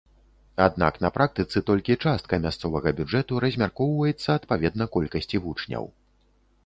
Аднак на практыцы толькі частка мясцовага бюджэту размяркоўваецца адпаведна колькасці вучняў.